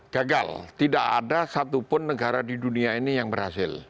gagal tidak ada satupun negara di dunia ini yang berhasil